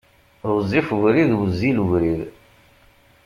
Ɣezzif ubrid, wezzil ubrid.